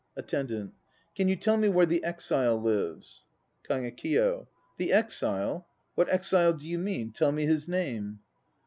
ATTENDANT. Can you tell me where the exile lives? KAGEKIYO. The exile? What exile do you mean? Tell me his name.